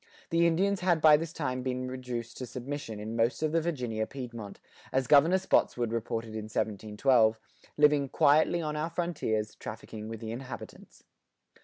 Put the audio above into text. The Indians had by this time been reduced to submission in most of the Virginia Piedmont as Governor Spotswood[88:3] reported in 1712, living "quietly on our frontiers, trafficking with the Inhabitants."